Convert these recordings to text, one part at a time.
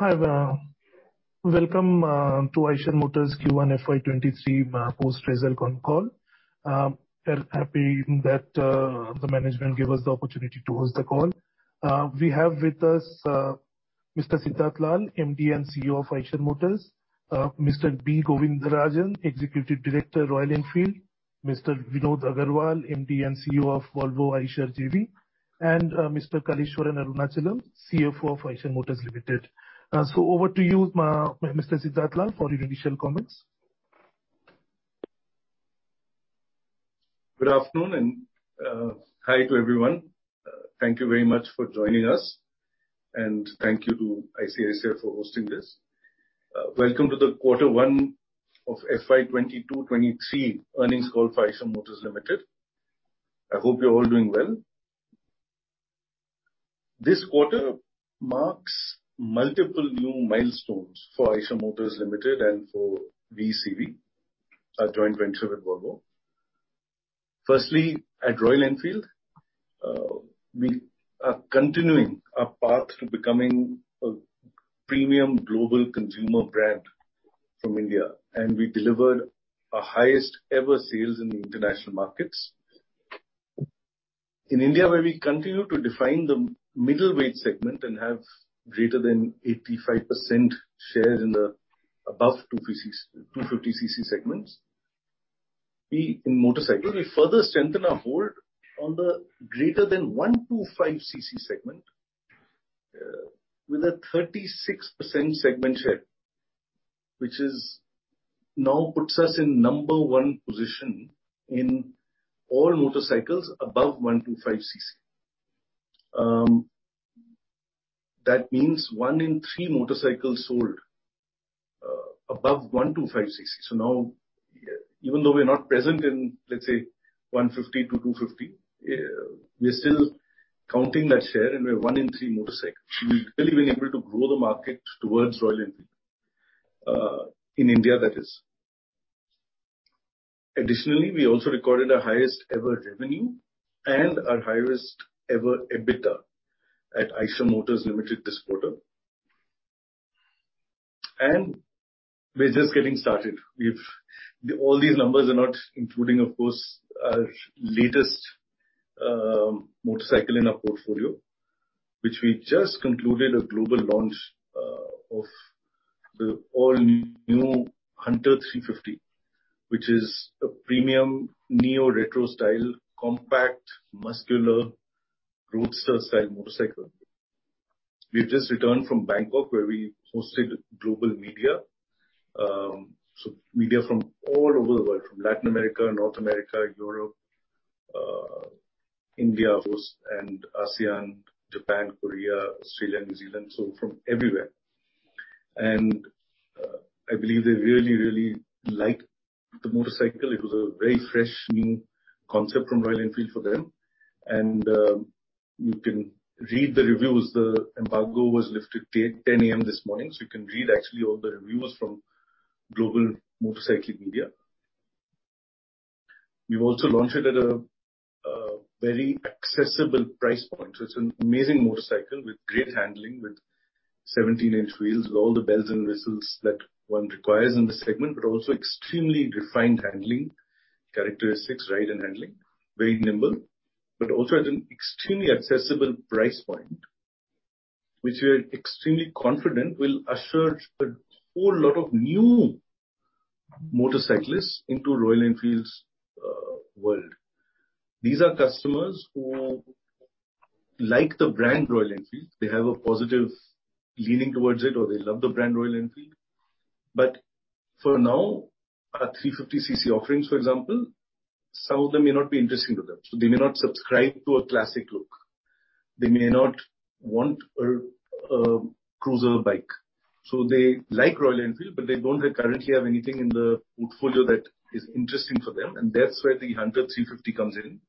Hi there. Welcome to Eicher Motors Q1 FY 2023 Post-result Con Call. We're happy that the management gave us the opportunity to host the call. We have with us Mr. Siddhartha Lal, MD and CEO of Eicher Motors. Mr. B. Govindarajan, Executive Director, Royal Enfield. Mr. Vinod Aggarwal, MD and CEO of Volvo Eicher JV. And Mr. Kaleeswaran Arunachalam, CFO of Eicher Motors Limited. Over to you, Mr. Siddhartha Lal, for your initial comments. Good afternoon, and hi to everyone. Thank you very much for joining us. Thank you to ICICI for hosting this. Welcome to the Q1 of FY 2022-2023 Earnings Call for Eicher Motors Limited. I hope you're all doing well. This quarter marks multiple new milestones for Eicher Motors Limited and for VECV, our joint venture with Volvo. Firstly, at Royal Enfield, we are continuing our path to becoming a premium global consumer brand from India, and we delivered our highest ever sales in the international markets. In India, where we continue to define the middleweight segment and have greater than 85% share in the above 250 cc segments. We, in motorcycles, we further strengthen our hold on the greater than 125 cc segment with a 36% segment share, which now puts us in number one position in all motorcycles above 125 cc. That means one in three motorcycles sold above 125 cc. Now, even though we're not present in, let's say, 150 to 250, we are still counting that share, and we're one in three motorcycles. We've really been able to grow the market towards Royal Enfield in India, that is. Additionally, we also recorded our highest ever revenue and our highest ever EBITDA at Eicher Motors Limited this quarter. We're just getting started. All these numbers are not including, of course, our latest motorcycle in our portfolio, which we just concluded a global launch of the all-new Hunter 350, which is a premium neo-retro style, compact, muscular roadster style motorcycle. We've just returned from Bangkok, where we hosted global media. Media from all over the world. From Latin America, North America, Europe, India host and ASEAN, Japan, Korea, Australia, New Zealand, so from everywhere. I believe they really, really liked the motorcycle. It was a very fresh, new concept from Royal Enfield for them. You can read the reviews. The embargo was lifted 10 A.M. this morning. You can read actually all the reviews from global motorcycle media. We've also launched it at a very accessible price point. It's an amazing motorcycle with great handling, with 17-inch wheels, with all the bells and whistles that one requires in the segment, but also extremely refined handling characteristics, ride and handling. Very nimble, but also at an extremely accessible price point, which we are extremely confident will usher a whole lot of new motorcyclists into Royal Enfield's world. These are customers who like the brand Royal Enfield. They have a positive leaning towards it, or they love the brand Royal Enfield. For now, our 350 cc offerings, for example, some of them may not be interesting to them. They may not subscribe to a classic look. They may not want a cruiser bike. They like Royal Enfield, but they don't currently have anything in the portfolio that is interesting for them, and that's where the Hunter 350 comes in.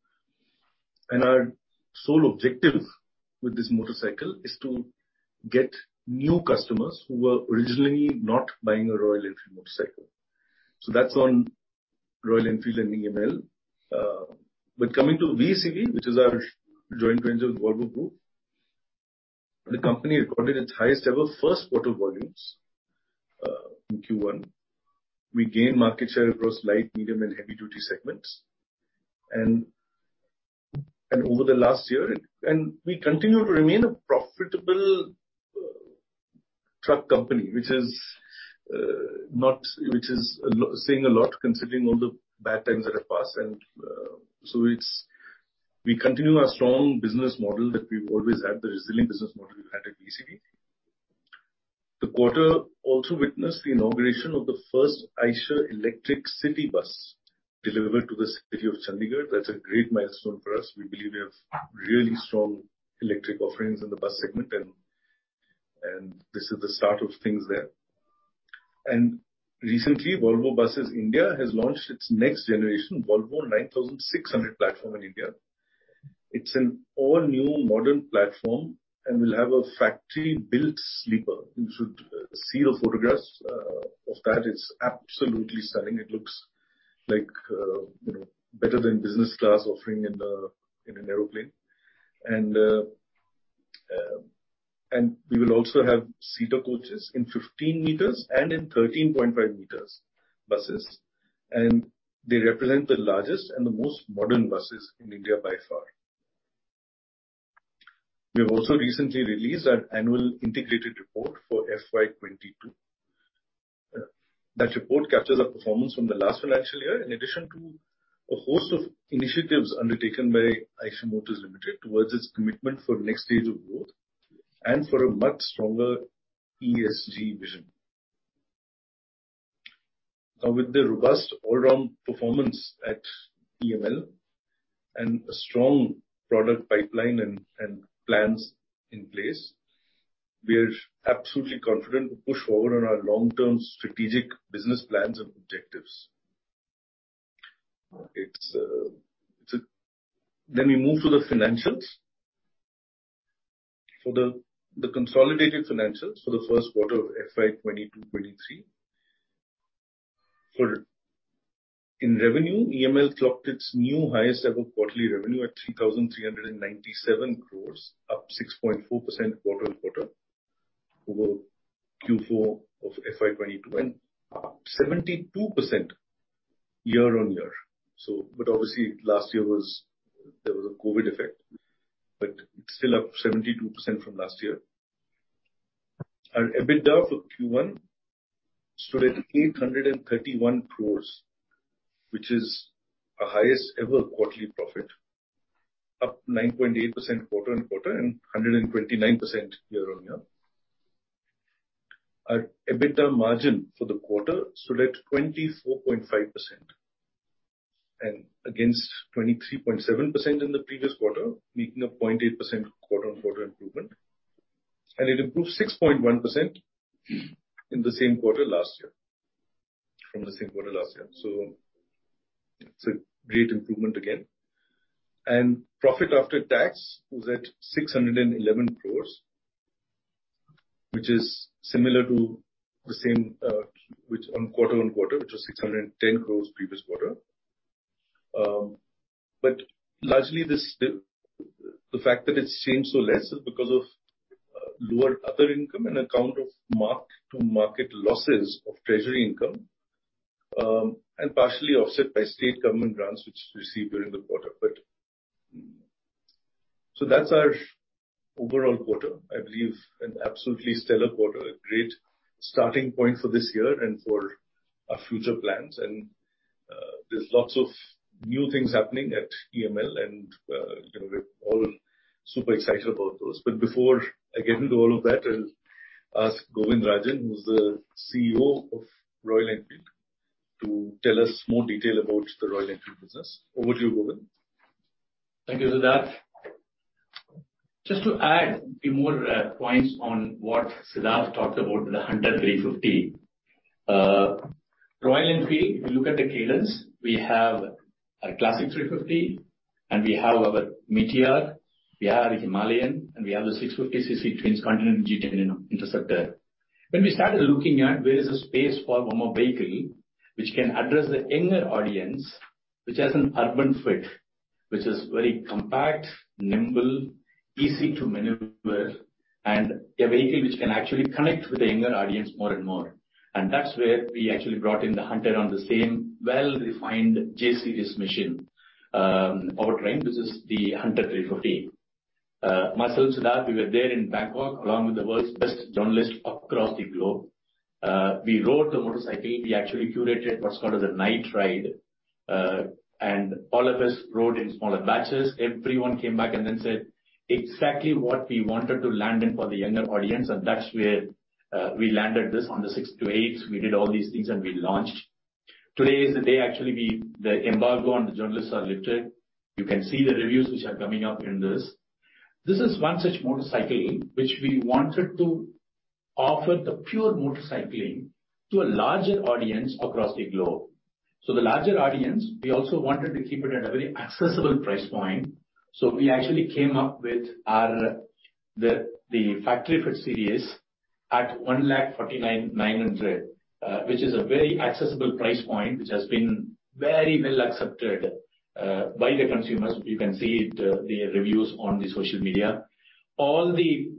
Our sole objective with this motorcycle is to get new customers who were originally not buying a Royal Enfield motorcycle. That's on Royal Enfield and EML. Coming to VECV, which is our joint venture with Volvo Group, the company recorded its highest ever first quarter volumes in Q1. We gained market share across light, medium and heavy duty segments. We continue to remain a profitable truck company, which is saying a lot considering all the bad times that have passed. We continue our strong business model that we've always had, the resilient business model we've had at VECV. The quarter also witnessed the inauguration of the first Eicher Electric City Bus delivered to the city of Chandigarh. That's a great milestone for us. We believe we have really strong electric offerings in the bus segment and this is the start of things there. Recently, Volvo Buses India has launched its next generation Volvo 9600 platform in India. It's an all-new modern platform and will have a factory-built sleeper. You should see the photographs of that. It's absolutely stunning. It looks like, you know, better than business class offering in the, in an airplane. We will also have Setra coaches in 15 meters and in 13.5 meters buses. They represent the largest and the most modern buses in India by far. We have also recently released our annual integrated report for FY 2022. That report captures our performance from the last financial year, in addition to a host of initiatives undertaken by Eicher Motors Limited towards its commitment for next stage of growth and for a much stronger ESG vision. Now, with the robust all-around performance at EML and a strong product pipeline and plans in place, we are absolutely confident to push forward on our long-term strategic business plans and objectives. Let me move to the financials. For the consolidated financials for the first quarter of FY 2022-23. In revenue, EML clocked its new highest ever quarterly revenue at 3,397 crore, up 6.4% quarter-on-quarter over Q4 of FY 2022, and up 72% year-on-year. Obviously last year there was a COVID effect, but it's still up 72% from last year. Our EBITDA for Q1 stood at 831 crore, which is a highest ever quarterly profit, up 9.8% quarter-over-quarter and 129% year-over-year. Our EBITDA margin for the quarter stood at 24.5%, and against 23.7% in the previous quarter, making a 0.8% quarter-over-quarter improvement. It improved 6.1% in the same quarter last year, from the same quarter last year. It's a great improvement again. Profit after tax was at 611 crore, which is similar to the same, which on quarter-over-quarter, which was 610 crore previous quarter. Largely, the fact that it seems so less is because of lower other income on account of mark-to-market losses of treasury income, and partially offset by state government grants which we received during the quarter. That's our overall quarter. I believe an absolutely stellar quarter. A great starting point for this year and for our future plans. There's lots of new things happening at EML and, you know, we're all super excited about those. Before I get into all of that, I'll ask Govindarajan, who's the CEO of Royal Enfield, to tell us more detail about the Royal Enfield business. Over to you, Govind. Thank you, Siddhartha. Just to add a few more points on what Siddhartha talked about with the Hunter 350. Royal Enfield, if you look at the cadence, we have our Classic 350, and we have our Meteor, we have our Himalayan, and we have the 600 cc twins Continental GT and Interceptor. When we started looking at where is the space for one more vehicle which can address the younger audience, which has an urban fit, which is very compact, nimble, easy to maneuver, and a vehicle which can actually connect with the younger audience more and more. That's where we actually brought in the Hunter on the same well-refined J series machine, powertrain, which is the Hunter 350. Myself, Siddhartha, we were there in Bangkok, along with the world's best journalists across the globe. We rode the motorcycle. We actually curated what's called as a night ride. All of us rode in smaller batches. Everyone came back and then said, "Exactly what we wanted to land in for the younger audience." That's where we landed this on the sixth to eighth. We did all these things, and we launched. Today is the day actually the embargo on the journalists are lifted. You can see the reviews which are coming up in this. This is one such motorcycling which we wanted to offer the pure motorcycling to a larger audience across the globe. The larger audience, we also wanted to keep it at a very accessible price point. We actually came up with our factory fit series at 1,49,900, which is a very accessible price point, which has been very well accepted by the consumers. You can see it, the reviews on the social media. All the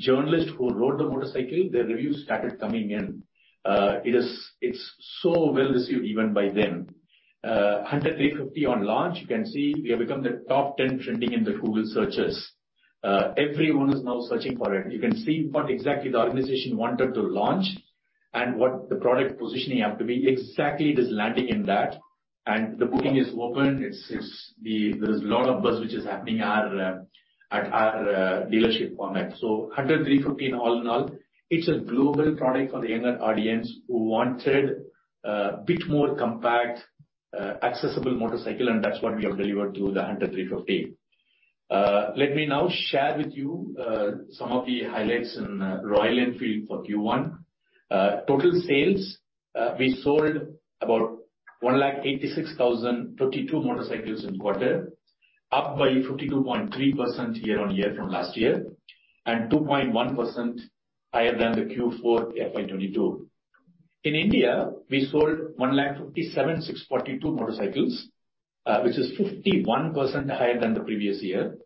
journalists who rode the motorcycle, their reviews started coming in. It is so well received even by them. Hunter 350 on launch, you can see we have become the top 10 trending in the Google searches. Everyone is now searching for it. You can see what exactly the organization wanted to launch and what the product positioning have to be. Exactly it is landing in that. The booking is open. There's a lot of buzz which is happening at our dealership format. Hunter 350 in all, it's a global product for the younger audience who wanted a bit more compact, accessible motorcycle, and that's what we have delivered through the Hunter 350. Let me now share with you some of the highlights in Royal Enfield for Q1. Total sales, we sold about 186,032 motorcycles in the quarter. Up by 52.3% year-over-year from last year, and 2.1% higher than the Q4 FY 2022. In India, we sold 157,642 motorcycles, which is 51% higher than the previous year.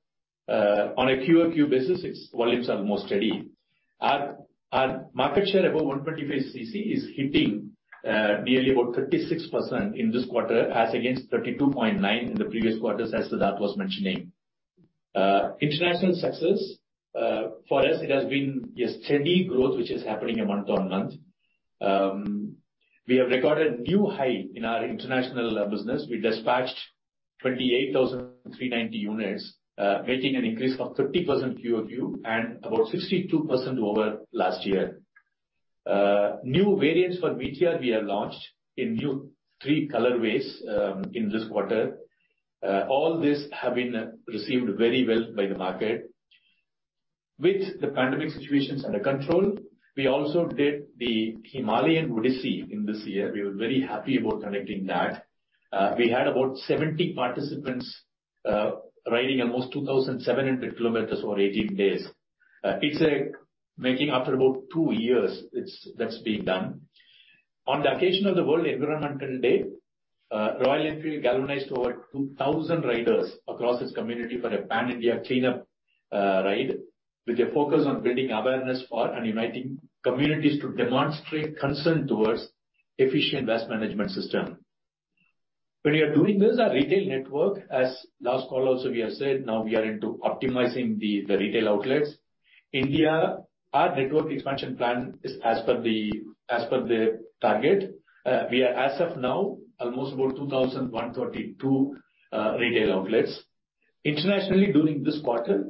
On a QoQ basis, its volumes are more steady. Our market share above 125 cc is hitting nearly about 36% in this quarter as against 32.9% in the previous quarter, as Siddhartha was mentioning. International success for us it has been a steady growth which is happening month-on-month. We have recorded new high in our international business. We dispatched 28,390 units, making an increase of 30% QoQ and about 62% over last year. New variants for VTR we have launched in three new colorways in this quarter. All this have been received very well by the market. With the pandemic situations under control, we also did the Himalayan Odyssey in this year. We were very happy about conducting that. We had about 70 participants riding almost 2,700 km over 18 days. It's amazing after about two years. That's being done. On the occasion of the World Environment Day, Royal Enfield galvanized over 2,000 riders across this community for a pan-India cleanup ride, with a focus on building awareness for and uniting communities to demonstrate concern towards efficient waste management system. When we are doing this, our retail network, as last call also we have said, now we are into optimizing the retail outlets. India, our network expansion plan is as per the target. We are as of now almost about 2,132 retail outlets. Internationally during this quarter,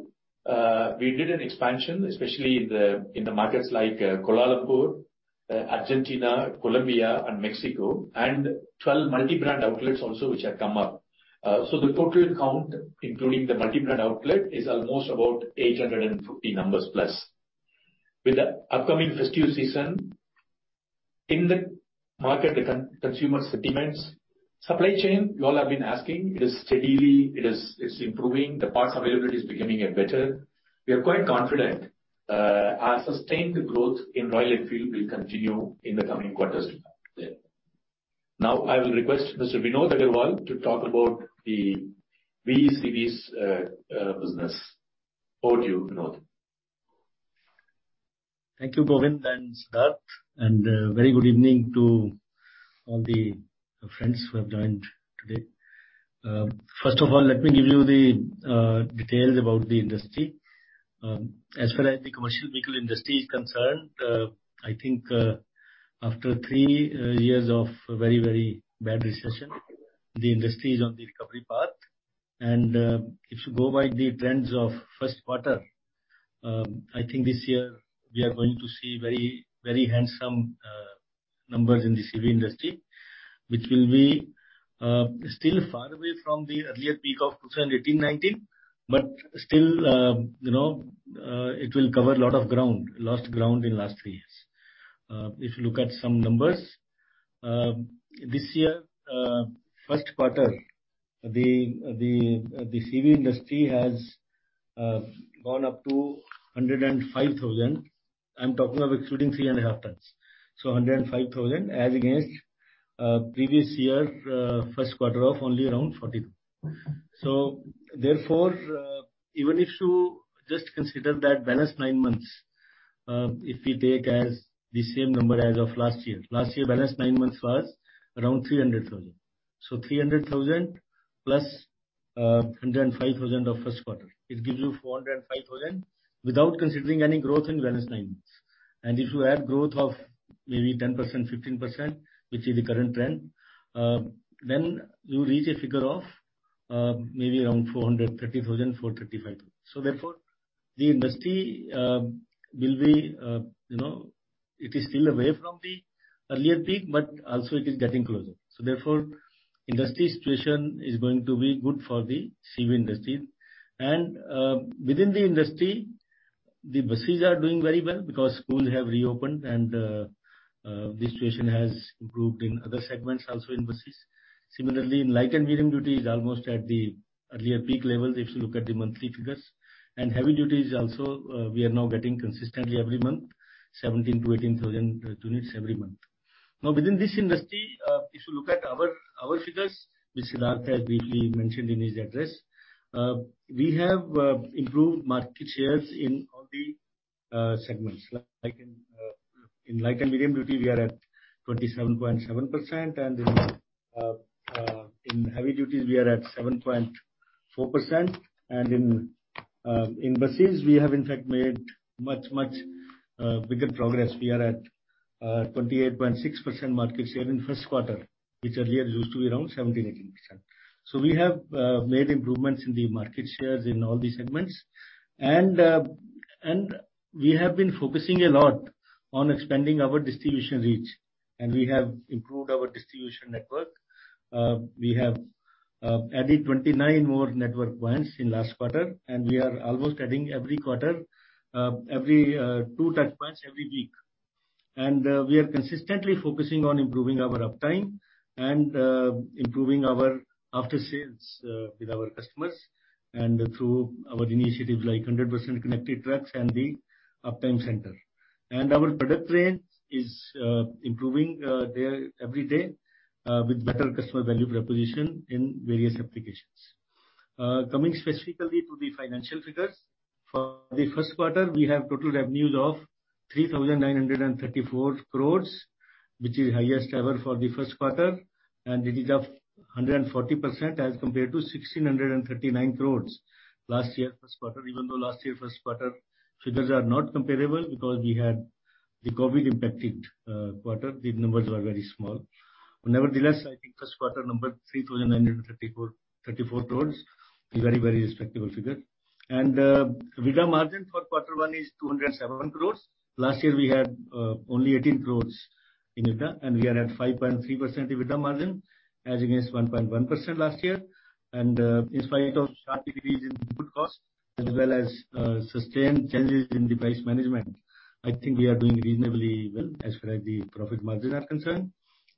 we did an expansion, especially in the markets like Kuala Lumpur, Argentina, Colombia and Mexico, and 12 multi-brand outlets also which have come up. So the total count, including the multi-brand outlet, is almost about 850 numbers+. With the upcoming festive season in the market, the consumer sentiments. Supply chain, you all have been asking, it is steadily improving. The parts availability is becoming better. We are quite confident our sustained growth in Royal Enfield will continue in the coming quarters. Now I will request Mr. Vinod Aggarwal to talk about the VECV business. Over to you, Vinod. Thank you, Govindan and Siddhartha, and very good evening to all the friends who have joined today. First of all, let me give you the details about the industry. As far as the commercial vehicle industry is concerned, I think, after three years of very, very bad recession, the industry is on the recovery path. If you go by the trends of first quarter, I think this year we are going to see very, very handsome numbers in the CV industry, which will be still far away from the earlier peak of 2018, 2019, but still, you know, it will cover a lot of ground, lost ground in last three years. If you look at some numbers, this year, first quarter, the CV industry has gone up to 105,000. I'm talking of excluding 3.5 tons. 105,000 as against previous year first quarter of only around 42. Therefore, even if you just consider that balance nine months, if we take as the same number as of last year. Last year balance nine months was around 300,000. 300,000+ 105,000 of first quarter. It gives you 405,000 without considering any growth in balance nine months. If you add growth of maybe 10%, 15%, which is the current trend, then you reach a figure of maybe around 430,000, 435,000. The industry will be. It is still away from the earlier peak, but also it is getting closer. Industry situation is going to be good for the CV industry. Within the industry, the buses are doing very well because schools have reopened and the situation has improved in other segments also in buses. Similarly, in light and medium duty is almost at the earlier peak levels if you look at the monthly figures. Heavy duty is also. We are now getting consistently every month, 17,000-18,000 units every month. Now, within this industry, if you look at our figures, which Siddhartha has briefly mentioned in his address, we have improved market shares in all the segments. Like in light and medium duty, we are at 27.7%. In heavy duties we are at 7.4%. In buses we have in fact made much bigger progress. We are at 28.6% market share in first quarter, which earlier used to be around 17, 18%. We have made improvements in the market shares in all the segments. We have been focusing a lot on expanding our distribution reach, and we have improved our distribution network. We have added 29 more network points in last quarter, and we are almost adding every quarter two touch points every week. We are consistently focusing on improving our uptime and improving our after-sales with our customers and through our initiatives like 100% connected trucks and the uptime center. Our product range is improving there every day with better customer value proposition in various applications. Coming specifically to the financial figures, for the first quarter, we have total revenues of 3,934 crores, which is highest ever for the first quarter. It is up 140% as compared to 1,639 crores last year first quarter, even though last year first quarter figures are not comparable because we had the COVID impacted quarter. The numbers were very small. Nevertheless, I think first quarter number, 3,934 crores is very, very respectable figure. EBITDA margin for quarter one is 207 crores. Last year we had only 18 crores in EBITDA, and we are at 5.3% EBITDA margin as against 1.1% last year. In spite of sharp decrease in input costs as well as sustained changes in the price management, I think we are doing reasonably well as far as the profit margins are concerned.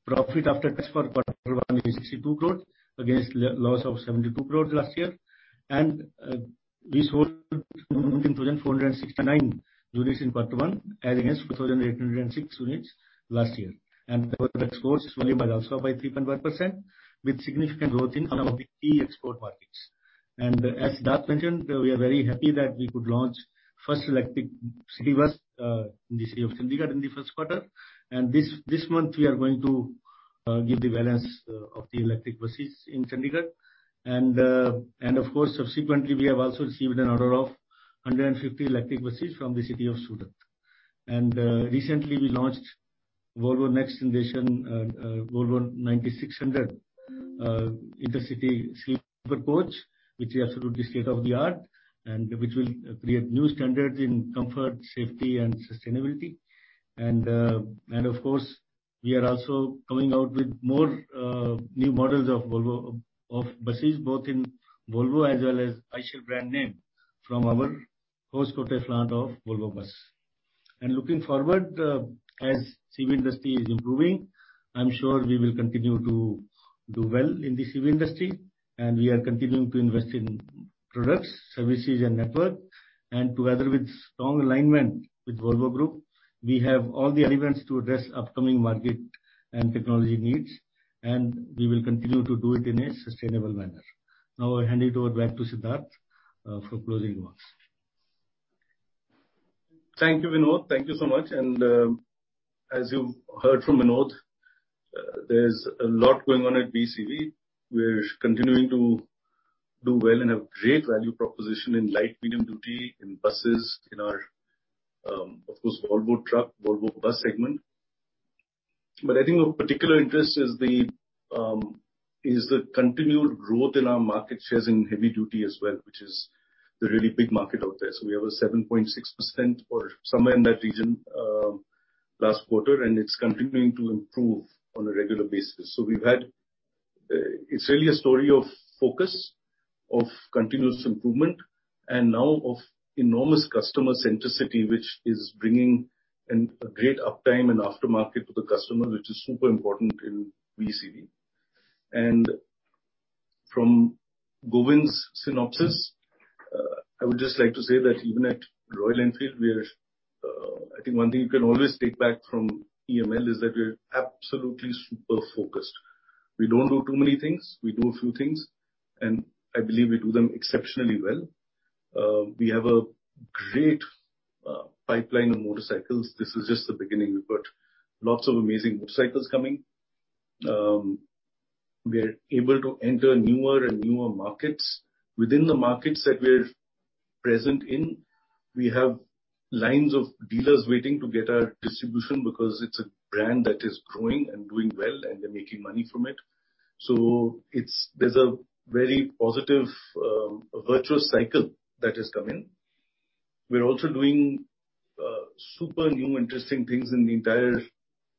Profit after tax for quarter one is 62 crores rupees against loss of 72 crores rupees last year. We sold 19,469 units in quarter one as against 2,806 units last year. Export volume also by 3.1% with significant growth in our key export markets. As Siddhartha mentioned, we are very happy that we could launch first electric city bus in the city of Chandigarh in the first quarter. This month we are going to give the balance of the electric buses in Chandigarh. Of course, subsequently, we have also received an order of 150 electric buses from the city of Surat. Recently we launched Volvo next generation Volvo 9600 intercity sleeper coach, which is absolutely state-of-the-art and which will create new standards in comfort, safety and sustainability. Of course we are also coming out with more new models of Volvo buses, both in Volvo as well as Eicher brand name from our post-COVID plant of Volvo Buses. Looking forward, as CV industry is improving, I'm sure we will continue to do well in the CV industry and we are continuing to invest in products, services and network. Together with strong alignment with Volvo Group, we have all the elements to address upcoming market and technology needs, and we will continue to do it in a sustainable manner. Now I hand it over back to Siddhartha for closing remarks. Thank you, Vinod Aggarwal. Thank you so much. As you heard from Vinod Aggarwal, there's a lot going on at VECV. We're continuing to do well and have great value proposition in light, medium duty in buses, in our, of course, Volvo truck, Volvo bus segment. I think of particular interest is the continued growth in our market shares in heavy duty as well, which is the really big market out there. We have a 7.6% or somewhere in that region last quarter, and it's continuing to improve on a regular basis. It's really a story of focus, of continuous improvement and now of enormous customer centricity, which is bringing a great uptime and aftermarket to the customer, which is super important in VECV. From Govind's synopsis, I would just like to say that even at Royal Enfield, we're, I think one thing you can always take back from EML is that we're absolutely super focused. We don't do too many things. We do a few things, and I believe we do them exceptionally well. We have a great pipeline of motorcycles. This is just the beginning. We've got lots of amazing motorcycles coming. We are able to enter newer and newer markets. Within the markets that we're present in, we have lines of dealers waiting to get our distribution because it's a brand that is growing and doing well, and they're making money from it. There's a very positive virtuous cycle that is coming. We're also doing super new, interesting things in the entire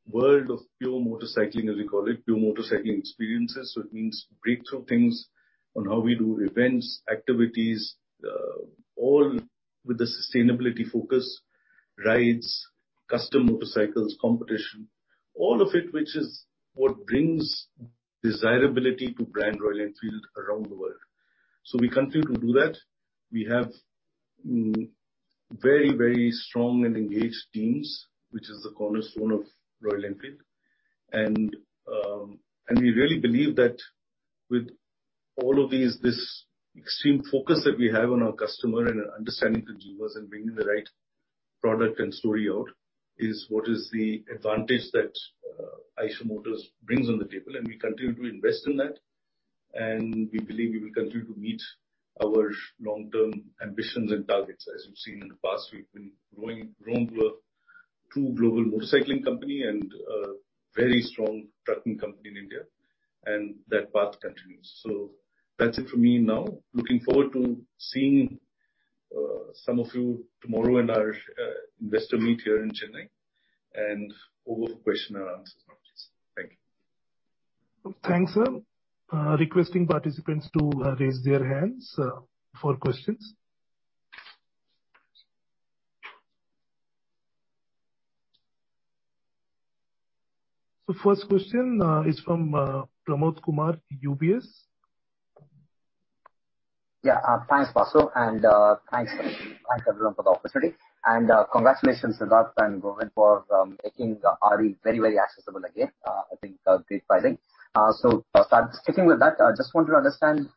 world of pure motorcycling, as we call it, pure motorcycling experiences. It means breakthrough things on how we do events, activities, all with a sustainability focus. Rides, custom motorcycles, competition, all of it which is what brings desirability to the brand Royal Enfield around the world. We continue to do that. We have very, very strong and engaged teams, which is the cornerstone of Royal Enfield. We really believe that with all of these, this extreme focus that we have on our customer and understanding consumers and bringing the right product and story out is what is the advantage that Eicher Motors brings on the table. We continue to invest in that, and we believe we will continue to meet our long-term ambitions and targets. As you've seen in the past, we've grown to a true global motorcycling company and a very strong trucking company in India, and that path continues. That's it for me now. Looking forward to seeing some of you tomorrow in our investor meet here in Chennai. Over to question and answer now, please. Thank you. Thanks, sir. Requesting participants to raise their hands for questions. The first question is from Pramod Kumar, UBS. Yeah. Thanks everyone for the opportunity. Congratulations, Siddhartha and Govindarajan, for making RE very accessible again. I think great pricing. Starting, sticking with that, I just want to understand,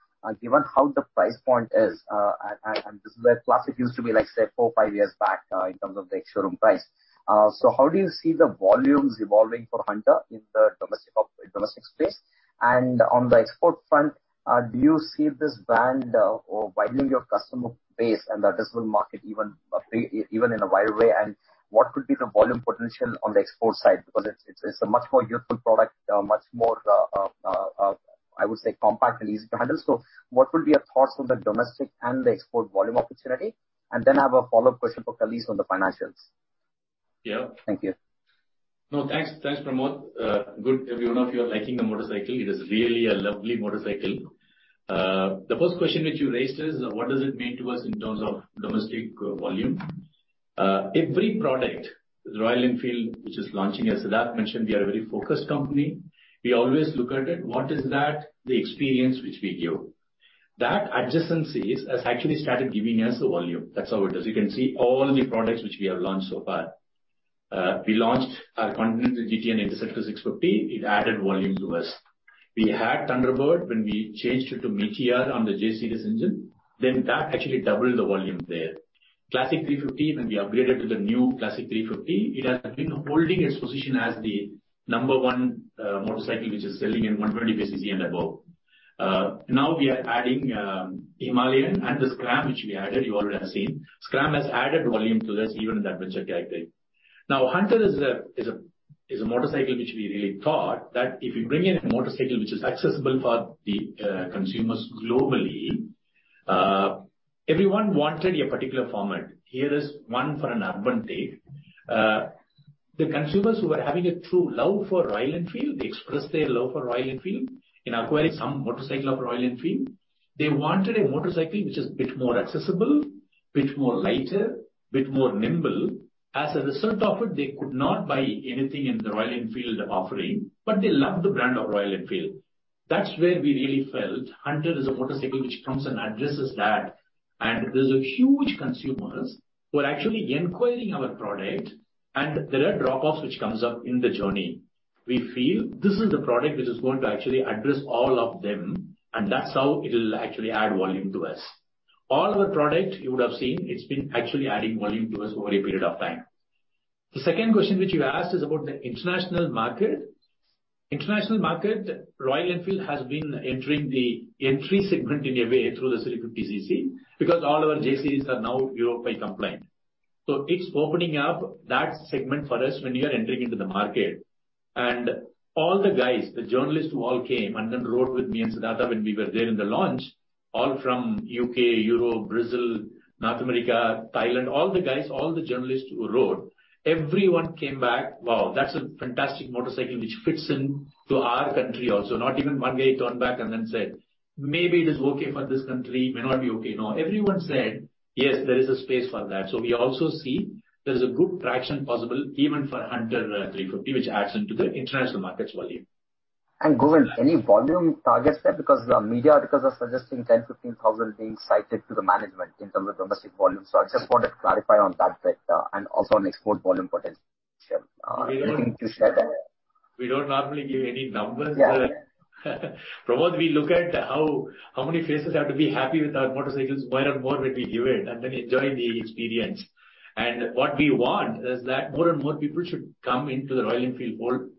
given how the price point is, and this is where Classic used to be like, say, 4-5 years back, in terms of the ex-showroom price. How do you see the volumes evolving for Hunter in the domestic space? On the export front, do you see this brand widening your customer base and the addressable market even in a wider way and what could be the volume potential on the export side? Because it's a much more youthful product, much more, I would say compact and easy to handle. What will be your thoughts on the domestic and the export volume opportunity? I have a follow-up question for Kalees on the financials. Yeah. Thank you. No, thanks. Thanks, Pramod. Good that every one of you are liking the motorcycle. It is really a lovely motorcycle. The first question which you raised is what does it mean to us in terms of domestic volume? Every product that Royal Enfield is launching, as Siddhartha mentioned, we are a very focused company. We always look at it, what is that, the experience which we give. That adjacencies has actually started giving us the volume. That's how it is. You can see all the products which we have launched so far. We launched our Continental GT and Interceptor 650, it added volume to us. We had Thunderbird when we changed it to Meteor on the J series engine, then that actually doubled the volume there. Classic 350, when we upgraded to the new Classic 350, it has been holding its position as the number one motorcycle which is selling in 120 cc and above. Now we are adding Himalayan and the Scram which we added, you already have seen. Scram has added volume to this, even in the Adventure category. Now, Hunter is a motorcycle which we really thought that if you bring in a motorcycle which is accessible for the consumers globally, everyone wanted a particular format. Here is one for an urban take. The consumers who are having a true love for Royal Enfield, they express their love for Royal Enfield in acquiring some motorcycle of Royal Enfield. They wanted a motorcycle which is a bit more accessible, bit more lighter, bit more nimble. As a result of it, they could not buy anything in the Royal Enfield offering, but they love the brand of Royal Enfield. That's where we really felt Hunter is a motorcycle which comes and addresses that. There's a huge consumers who are actually inquiring our product, and there are drop-offs which comes up in the journey. We feel this is the product which is going to actually address all of them, and that's how it'll actually add volume to us. All our product, you would have seen, it's been actually adding volume to us over a period of time. The second question which you asked is about the international market. International market, Royal Enfield has been entering the entry segment in a way through the 350 cc, because all our J series are now Euro 5 compliant. It's opening up that segment for us when we are entering into the market. All the guys, the journalists who all came and then rode with me and Siddhartha when we were there in the launch, all from U.K., Europe, Brazil, North America, Thailand, all the guys, all the journalists who rode, everyone came back, "Wow, that's a fantastic motorcycle which fits into our country also." Not even one guy turned back and then said, "Maybe it is okay for this country, may not be okay." No. Everyone said, "Yes, there is a space for that." We also see there's a good traction possible even for Hunter 350, which adds into the international markets volume. Govind, any volume targets there? Because the media articles are suggesting 10,000-15,000 being cited to the management in terms of domestic volume. I just wanted to clarify on that bit, and also on export volume potential, if you can share that. We don't normally give any numbers. Yeah. Pramod, we look at how many faces have to be happy with our motorcycles more and more when we give it, and then enjoy the experience. What we want is that more and more people should come into the Royal Enfield fold,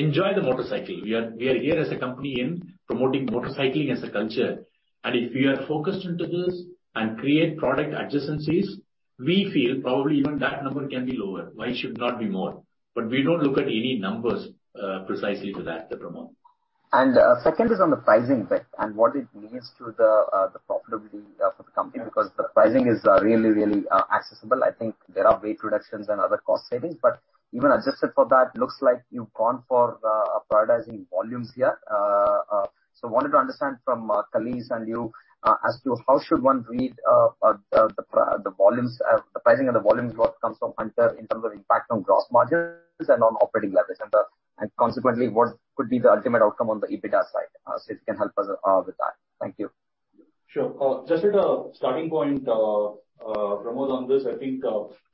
enjoy the motorcycle. We are here as a company in promoting motorcycling as a culture. If we are focused into this and create product adjacencies, we feel probably even that number can be lower. Why should not be more? We don't look at any numbers precisely to that, Pramod. Second is on the pricing bit and what it means to the profitability for the company. Yes. Because the pricing is really accessible. I think there are weight reductions and other cost savings. Even adjusted for that, looks like you've gone for prioritizing volumes here. Wanted to understand from Kalees and you as to how should one read the volumes, the pricing and the volumes, what comes from Hunter in terms of impact on gross margins and on operating leverage? Consequently, what could be the ultimate outcome on the EBITDA side? See if you can help us with that. Thank you. Sure. Just at a starting point, Pramod, on this, I think,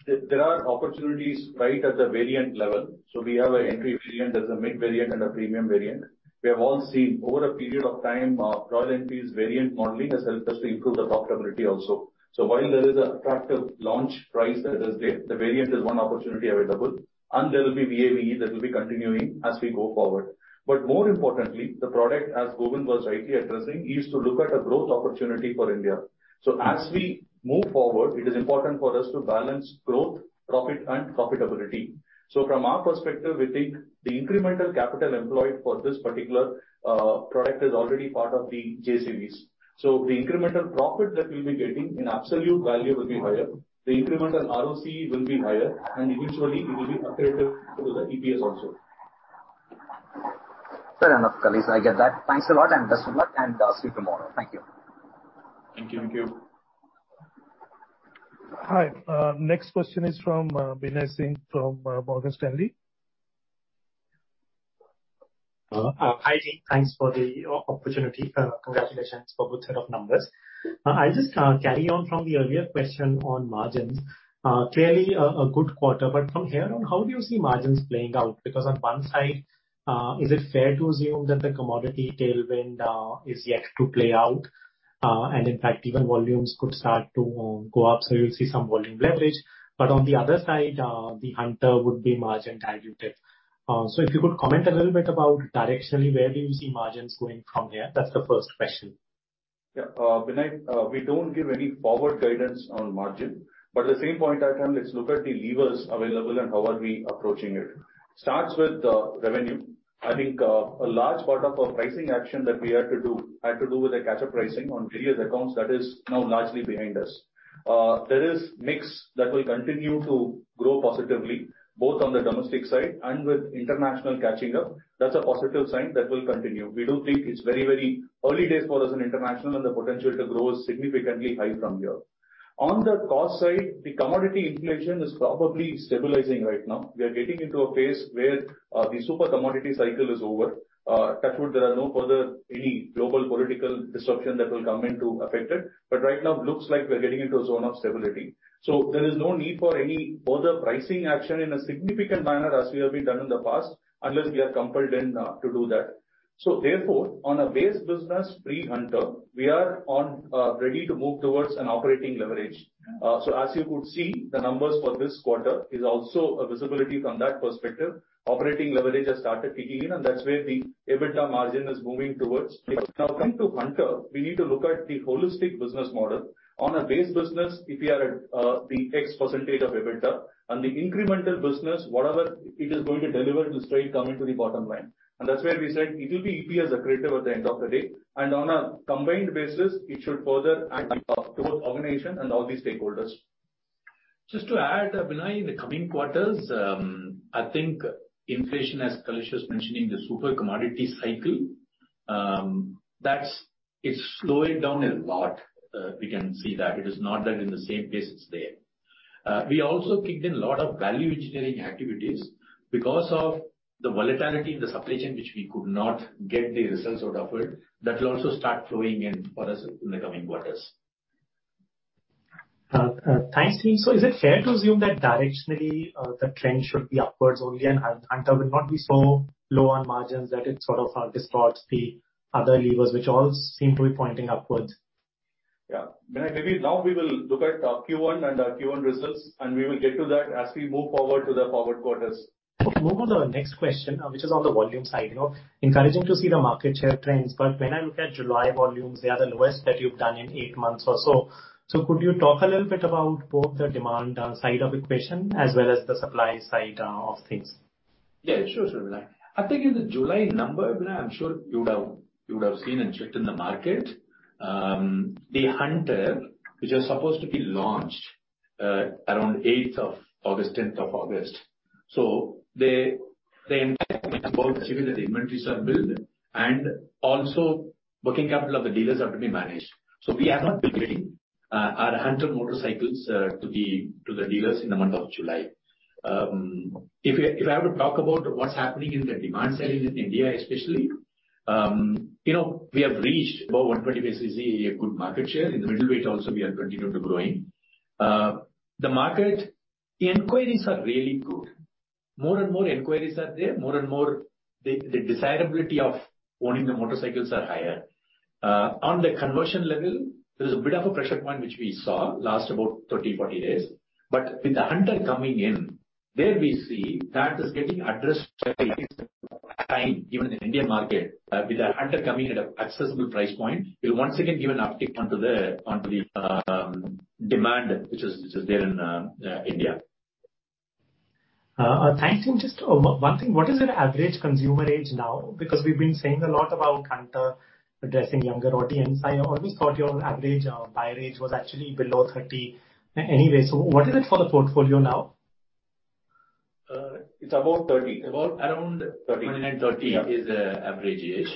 there are opportunities right at the variant level. We have an entry variant, there's a mid variant and a premium variant. We have all seen over a period of time, Royal Enfield's variant modeling has helped us to improve the profitability also. While there is an attractive launch price that is there, the variant is one opportunity available, and there will be VAVE that will be continuing as we go forward. More importantly, the product, as Govind was rightly addressing, is to look at a growth opportunity for India. As we move forward, it is important for us to balance growth, profit and profitability. From our perspective, we think the incremental capital employed for this particular. Product is already part of the J series. The incremental profit that we'll be getting in absolute value will be higher. The incremental ROCE will be higher and eventually it will be accretive to the EPS also. Fair enough, Kalesh, I get that. Thanks a lot and best of luck, and I'll see you tomorrow. Thank you. Thank you. Thank you. Hi. Next question is from, Binay Singh from, Morgan Stanley. Hi team. Thanks for the opportunity. Congratulations for good set of numbers. I'll just carry on from the earlier question on margins. Clearly a good quarter, but from here on, how do you see margins playing out? Because on one side, is it fair to assume that the commodity tailwind is yet to play out, and in fact even volumes could start to go up, so you'll see some volume leverage? But on the other side, the Hunter would be margin diluted. If you could comment a little bit about directionally where do you see margins going from here? That's the first question. Yeah, Binay, we don't give any forward guidance on margin. At the same point of time, let's look at the levers available and how are we approaching it. Starts with revenue. I think a large part of our pricing action that we had to do with a catch-up pricing on previous accounts that is now largely behind us. There is mix that will continue to grow positively, both on the domestic side and with international catching up. That's a positive sign that will continue. We do think it's very, very early days for us in international and the potential to grow is significantly high from here. On the cost side, the commodity inflation is probably stabilizing right now. We are getting into a phase where the super commodity cycle is over. Touch wood there are no further any global political disruption that will come in to affect it. Right now looks like we're getting into a zone of stability. There is no need for any further pricing action in a significant manner as we have been done in the past, unless we are compelled in, to do that. On a base business pre-Hunter, we are on, ready to move towards an operating leverage. As you could see, the numbers for this quarter is also a visibility from that perspective. Operating leverage has started kicking in, and that's where the EBITDA margin is moving towards. Now coming to Hunter, we need to look at the holistic business model. On a base business, if we are at the X percent of EBITDA, on the incremental business, whatever it is going to deliver is straight coming to the bottom line. That's where we said it will be EPS accretive at the end of the day. On a combined basis, it should further add to both organization and all the stakeholders. Just to add, Binay, in the coming quarters, I think inflation, as Kalesh was mentioning, the super commodity cycle, that is slowing down a lot. We can see that. It is not that in the same place it's there. We also kicked in a lot of value engineering activities. Because of the volatility in the supply chain which we could not get the results out of it, that will also start flowing in for us in the coming quarters. Thanks, team. Is it fair to assume that directionally, the trend should be upwards only and Hunter will not be so low on margins that it sort of distorts the other levers which all seem to be pointing upwards? Yeah. Binay, maybe now we will look at Q1 and Q1 results, and we will get to that as we move forward to the forward quarters. Okay. Move on to the next question, which is on the volume side. You know, encouraging to see the market share trends, but when I look at July volumes, they are the lowest that you've done in eight months or so. Could you talk a little bit about both the demand side of equation as well as the supply side of things? Yeah, sure. Sure, Binay. I think in the July number, Binay, I'm sure you would have seen and checked in the market, the Hunter, which was supposed to be launched around 8th of August, 10th of August. The both channels inventories are built and also working capital of the dealers have to be managed. We have not been giving our Hunter motorcycles to the dealers in the month of July. If I have to talk about what's happening in the demand side in India especially, you know, we have reached above 120 cc a good market share. In the middleweight also we are continued to growing. The market inquiries are really good. More and more inquiries are there. More and more the desirability of owning the motorcycles are higher. On the conversion level, there is a bit of a pressure point which we saw last about 30, 40 days. With the Hunter coming in, there we see that is getting addressed even in Indian market, with the Hunter coming at an accessible price point, it will once again give an uptick onto the demand which is there in India. Thanks, team. Just one thing. What is your average consumer age now? Because we've been saying a lot about Hunter addressing younger audience. I always thought your average buyer age was actually below 30 anyway. What is it for the portfolio now? It's about 30. About around 30 29, 30 Yeah is the average age.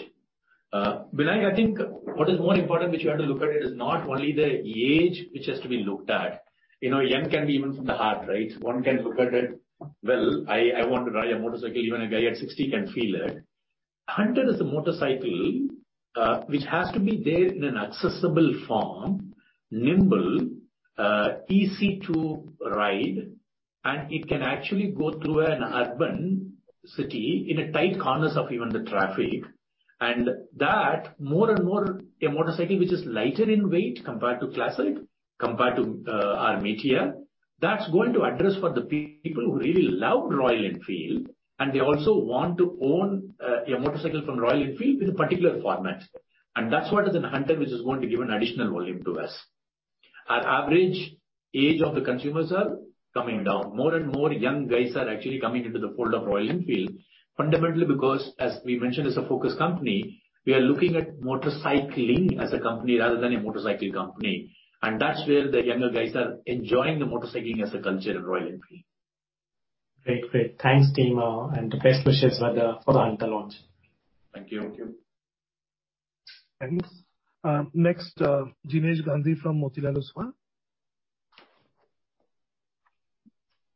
Binay, I think what is more important which you have to look at it is not only the age which has to be looked at. You know, young can be even from the heart, right? One can look at it, well, I want to ride a motorcycle, even a guy at 60 can feel it. Hunter is a motorcycle, which has to be there in an accessible form, nimble, easy to ride, and it can actually go through an urban city in tight corners of even the traffic. That more and more a motorcycle which is lighter in weight compared to Classic, compared to our Meteor, that's going to address for the people who really love Royal Enfield, and they also want to own a motorcycle from Royal Enfield with a particular format. That's what is in Hunter which is going to give an additional volume to us. Our average age of the consumers are coming down. More and more young guys are actually coming into the fold of Royal Enfield, fundamentally because as we mentioned, as a focus company, we are looking at motorcycling as a company rather than a motorcycle company. That's where the younger guys are enjoying the motorcycling as a culture in Royal Enfield. Great. Thanks, team, and best wishes, B. Govindarajan, for the Hunter launch. Thank you. Thank you. Thanks. Next, Jinesh Gandhi from Motilal Oswal.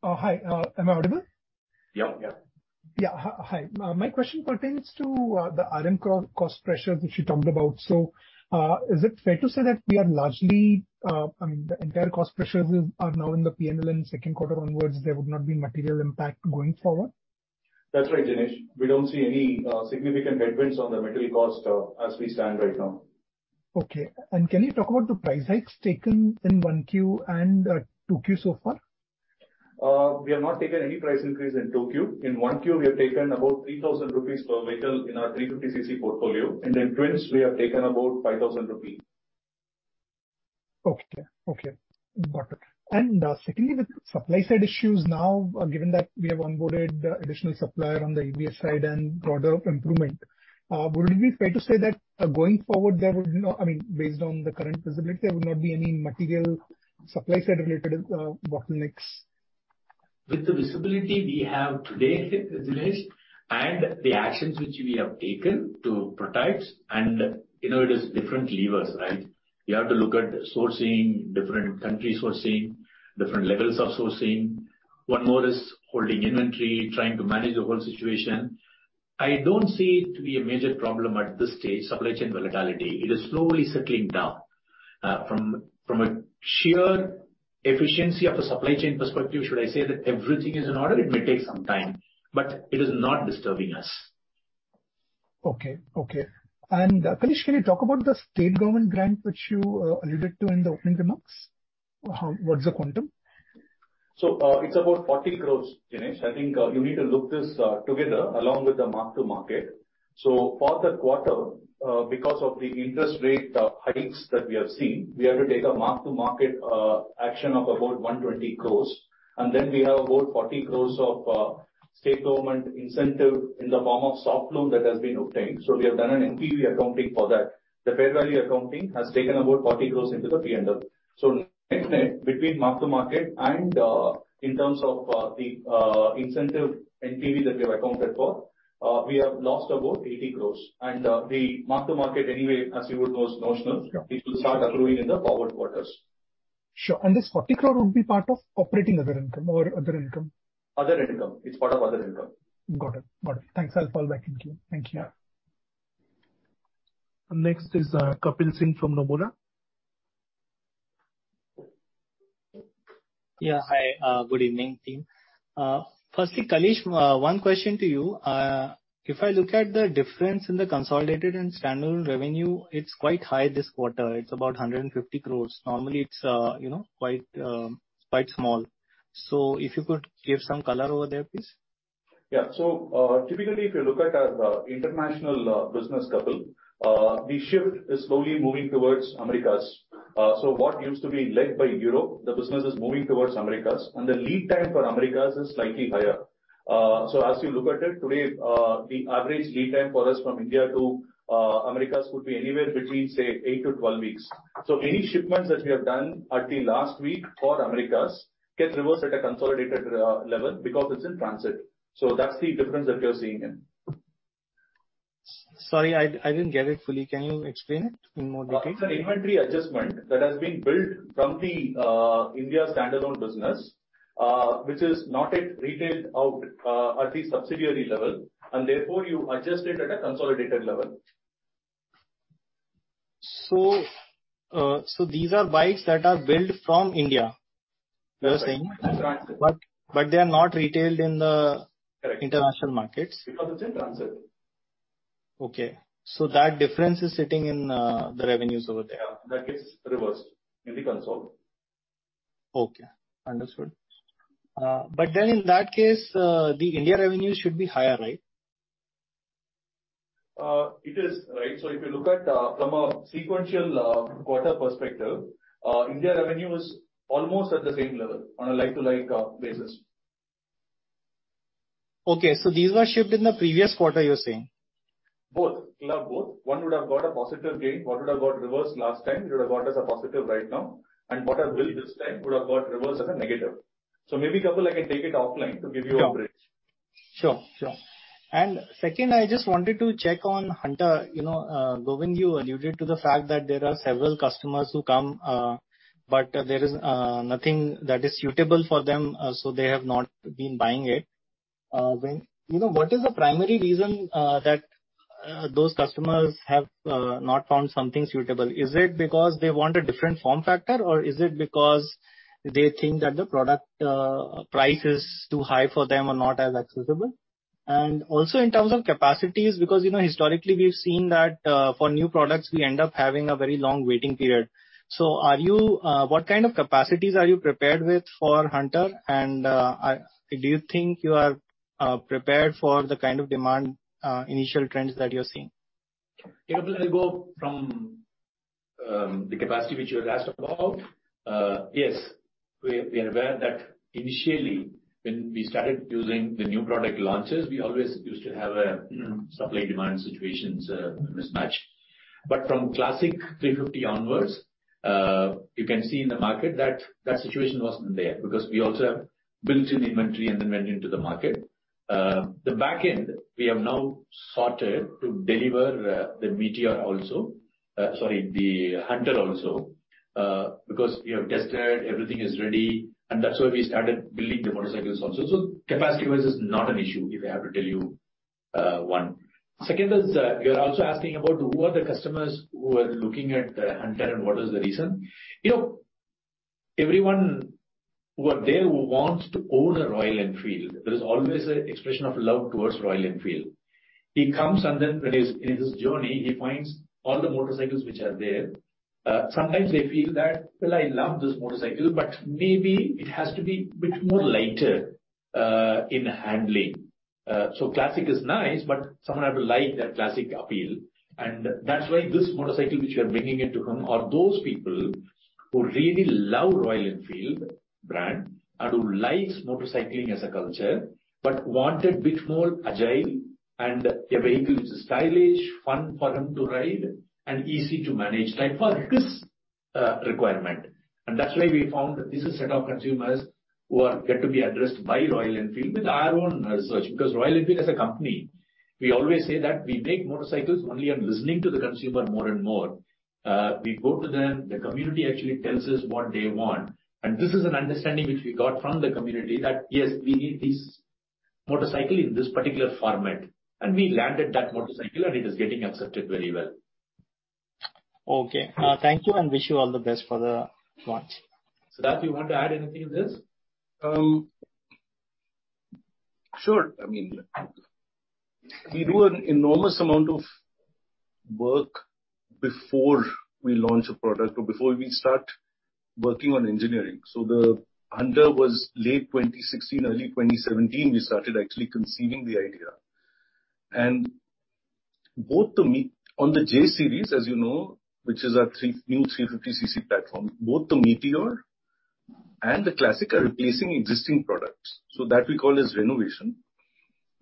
Oh, hi, am I audible? Yep. Yeah. Hi. My question pertains to the RM cost pressures which you talked about. Is it fair to say that we are largely, I mean, the entire cost pressures are now in the P&L and second quarter onwards, there would not be material impact going forward? That's right, Jinesh. We don't see any significant headwinds on the material cost, as we stand right now. Okay. Can you talk about the price hikes taken in 1Q and 2Q so far? We have not taken any price increase in 2Q. In 1Q, we have taken about 3,000 rupees per vehicle in our 350 cc portfolio, and in Twins we have taken about 5,000 rupees. Okay. Okay, got it. Secondly, with supply side issues now, given that we have onboarded additional supplier on the ABS side and product improvement, would it be fair to say that going forward there would not be, I mean, based on the current visibility, there would not be any material supply side related bottlenecks? With the visibility we have today, Jinesh, and the actions which we have taken to protect and you know, it is different levers, right? We have to look at sourcing, different countries sourcing, different levels of sourcing. One more is holding inventory, trying to manage the whole situation. I don't see it to be a major problem at this stage, supply chain volatility. It is slowly settling down. From a sheer efficiency of a supply chain perspective, should I say that everything is in order? It may take some time, but it is not disturbing us. Okay. Kaleeswaran, can you talk about the state government grant which you alluded to in the opening remarks? What's the quantum? It's about 40 crore, Jinesh. I think you need to look at this together along with the mark to market. For the quarter, because of the interest rate hikes that we have seen, we have to take a mark to market action of about 120 crore. Then we have about 40 crore of state government incentive in the form of soft loan that has been obtained. We have done an NPV accounting for that. The fair value accounting has taken about 40 crore into the P&L. Net-net between mark to market and in terms of the incentive NPV that we have accounted for, we have lost about 80 crore. The mark to market anyway as you would know is notional. Yeah. It will start accruing in the forward quarters. Sure. This 40 crore would be part of operating other income or other income? Other income. It's part of other income. Got it. Thanks. I'll fall back in queue. Thank you. Yeah. Next is, Kapil Singh from Nomura. Yeah. Hi. Good evening, team. First, Kaleeswaran, one question to you. If I look at the difference in the consolidated and standalone revenue, it's quite high this quarter. It's about 150 crores. Normally it's, you know, quite small. If you could give some color over there, please. Yeah. Typically, if you look at our, international, business, Kapil, the shift is slowly moving towards Americas. What used to be led by Europe, the business is moving towards Americas, and the lead time for Americas is slightly higher. As you look at it today, the average lead time for us from India to, Americas could be anywhere between, say, 8-12 weeks. Any shipments that we have done until last week for Americas gets reversed at a consolidated, level because it's in transit. That's the difference that you're seeing in. Sorry, I didn't get it fully. Can you explain it in more detail? It's an inventory adjustment that has been built from the India standalone business, which is not yet retailed out at the subsidiary level, and therefore you adjust it at a consolidated level. These are bikes that are built from India, you're saying? That's right. In transit. They are not retailed in the. Correct. international markets. Because it's in transit. Okay. That difference is sitting in the revenues over there. Yeah. That gets reversed in the consol. Okay. Understood. In that case, the India revenue should be higher, right? It is right. If you look at from a sequential quarter perspective, India revenue is almost at the same level on a like-for-like basis. Okay. These were shipped in the previous quarter, you're saying? Both. Could both. One would have got a positive gain. What would have got reversed last time. It would have got us a positive right now. What I've built this time would have got reversed at a negative. Maybe, Kapil, I can take it offline to give you a bridge. Sure. Second, I just wanted to check on Hunter. You know, Govind, you alluded to the fact that there are several customers who come, but there is nothing that is suitable for them, so they have not been buying it. You know, what is the primary reason that those customers have not found something suitable? Is it because they want a different form factor, or is it because they think that the product price is too high for them or not as accessible? Also in terms of capacities, because, you know, historically we've seen that for new products, we end up having a very long waiting period. What kind of capacities are you prepared with for Hunter? Do you think you are prepared for the kind of demand, initial trends that you're seeing? Okay. I will go from the capacity which you asked about. Yes, we are aware that initially when we started using the new product launches, we always used to have a supply-demand situations mismatch. From Classic 350 onwards, you can see in the market that that situation wasn't there, because we also have built-in inventory and then went into the market. The back end, we have now sorted to deliver the Meteor also. Sorry, the Hunter also, because we have tested, everything is ready, and that's why we started building the motorcycles also. Capacity-wise is not an issue, if I have to tell you one. Second is, you're also asking about who are the customers who are looking at the Hunter and what is the reason. You know, everyone who are there who wants to own a Royal Enfield, there is always an expression of love towards Royal Enfield. He comes and then when he's in his journey, he finds all the motorcycles which are there. Sometimes they feel that, "Well, I love this motorcycle, but maybe it has to be bit more lighter, in handling." So Classic is nice, but some have to like that Classic appeal. That's why this motorcycle which we are bringing it to him are those people who really love Royal Enfield brand and who likes motorcycling as a culture, but want a bit more agile and a vehicle which is stylish, fun for him to ride and easy to manage, like for his requirement. That's why we found this is set of consumers who are yet to be addressed by Royal Enfield with our own research. Because Royal Enfield as a company, we always say that we make motorcycles only on listening to the consumer more and more. We go to them, the community actually tells us what they want. This is an understanding which we got from the community that, yes, we need this motorcycle in this particular format. We landed that motorcycle and it is getting accepted very well. Okay. Thank you and wish you all the best for the launch. Siddharth, you want to add anything to this? Sure. I mean, we do an enormous amount of work before we launch a product or before we start working on engineering. The Hunter was late 2016, early 2017. We started actually conceiving the idea. Both the Meteor on the J series, as you know, which is our new 350 cc platform. Both the Meteor and the Classic are replacing existing products. That we call as renovation.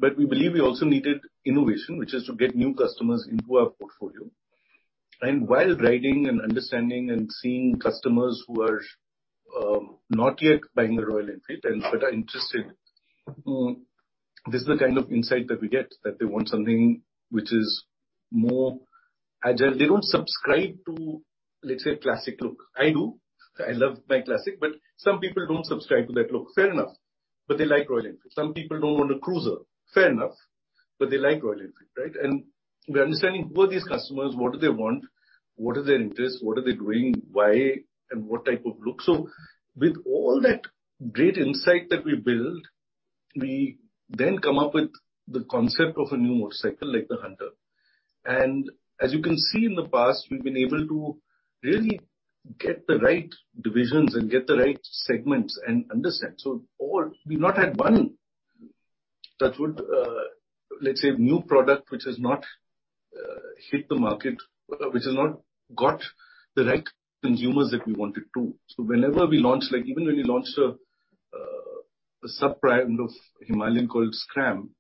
We believe we also needed innovation, which is to get new customers into our portfolio. While riding and understanding and seeing customers who are not yet buying a Royal Enfield, but are interested, this is the kind of insight that we get, that they want something which is more agile. They don't subscribe to, let's say, a classic look. I do. I love my Classic, but some people don't subscribe to that look. Fair enough. They like Royal Enfield. Some people don't want a cruiser. Fair enough. They like Royal Enfield, right? We are understanding who are these customers, what do they want, what are their interests, what are they doing, why and what type of look. With all that great insight that we build, we then come up with the concept of a new motorcycle like the Hunter. As you can see in the past, we've been able to really get the right divisions and get the right segments and understand. We've not had one that would, let's say new product which has not hit the market, which has not got the right consumers that we want it to. Whenever we launch, like even when we launched a sub-brand of Himalayan called Scram,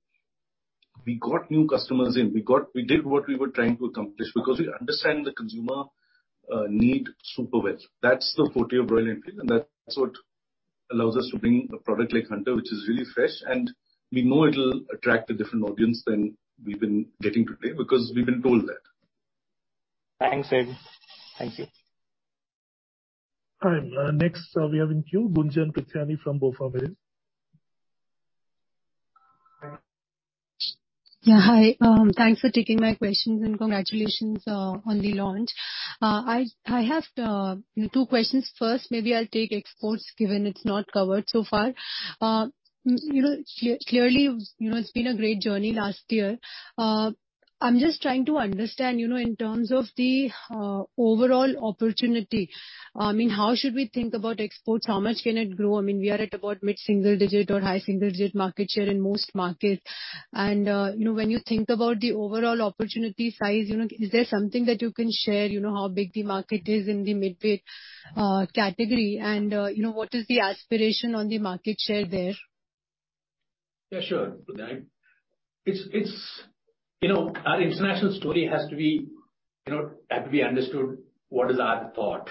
we got new customers in. We did what we were trying to accomplish because we understand the consumer need super well. That's the forte of Royal Enfield, and that's what allows us to bring a product like Hunter, which is really fresh, and we know it'll attract a different audience than we've been getting today because we've been told that. Thanks, Sid. Thank you. Hi. Next, we have in queue Gunjan Prithyani from BofA. Yeah, hi. Thanks for taking my questions and congratulations on the launch. I have two questions. First, maybe I'll take exports given it's not covered so far. You know, clearly, you know, it's been a great journey last year. I'm just trying to understand, you know, in terms of the overall opportunity, I mean, how should we think about exports? How much can it grow? I mean, we are at about mid-single digit or high single-digit market share in most markets. You know, when you think about the overall opportunity size, you know, is there something that you can share, you know, how big the market is in the midweight category? You know, what is the aspiration on the market share there? Yeah, sure, Gunjan. It's. You know, our international story has to be understood what is our thought.